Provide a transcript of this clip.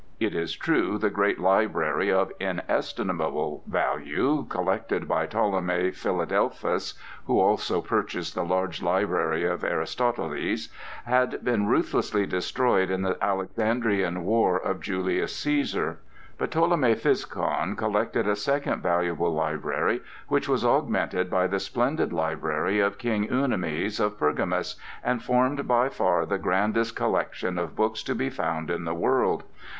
It is true, the great library of inestimable value collected by Ptolemy Philadelphus (who also purchased the large library of Aristoteles) had been ruthlessly destroyed in the Alexandrian war of Julius Cæsar. But Ptolemy Physcon collected a second valuable library, which was augmented by the splendid library of King Eumenes of Pergamus, and formed by far the grandest collection of books to be found in the world.